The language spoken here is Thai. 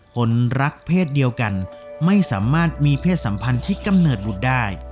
คนรักเพศเดียวกันไม่สามารถมีเพศสัมพันธ์ที่กำเนิดหลุดได้